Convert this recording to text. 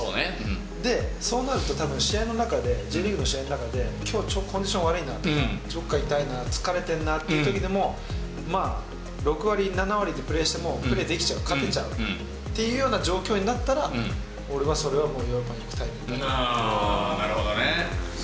で、そうなるとたぶん、試合の中で、Ｊリーグの試合の中で、きょう、コンディション悪いな、どっか痛いな、疲れてるなっていうときでも、まあ、６割、７割でプレーしても、プレーできちゃう、勝てちゃうっていうような状況になったら、俺はそれはもうヨーロなるほどね。